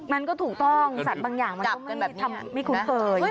มันก็ถูกต้องสัตว์บางอย่างมันก็ไม่คุ้นเคย